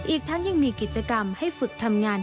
อีกทั้งยังมีกิจกรรมให้ฝึกทำงาน